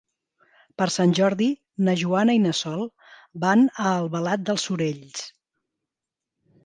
Per Sant Jordi na Joana i na Sol van a Albalat dels Sorells.